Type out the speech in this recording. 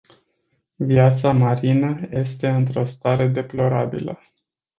Viața marină este într-o stare deplorabilă.